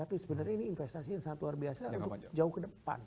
tapi sebenarnya ini investasi yang sangat luar biasa untuk jauh ke depan